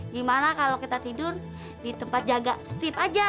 gimana kalau kita tidur di tempat jaga step aja